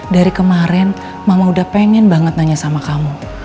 dari kemarin mama udah pengen banget nanya sama kamu